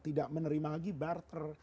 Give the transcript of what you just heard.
tidak menerima lagi barter